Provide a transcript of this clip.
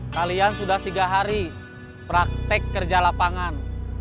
kalian sudah tiga hari praktek kerja lapangan